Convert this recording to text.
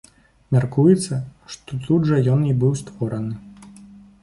Мяркуецца, што тут жа ён і быў створаны.